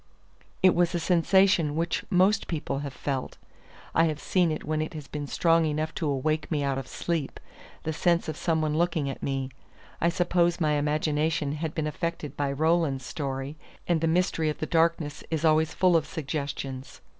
It is a sensation which most people have felt. I have seen when it has been strong enough to awake me out of sleep, the sense of some one looking at me. I suppose my imagination had been affected by Roland's story; and the mystery of the darkness is always full of suggestions.